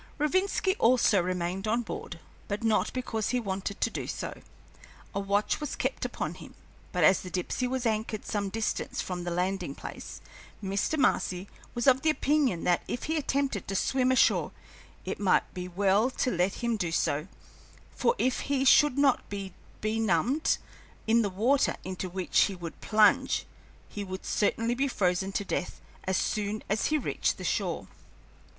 Rovinski also remained on board, but not because he wanted to do so. A watch was kept upon him; but as the Dipsey was anchored some distance from the landing place, Mr. Marcy was of the opinion that if he attempted to swim ashore it might be well to let him do so, for if he should not be benumbed in the water into which he would plunge he would certainly be frozen to death as soon as he reached the shore.